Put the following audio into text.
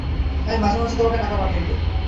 আমি মাঝে মাঝে তোমাকে টাকা পাঠাইব।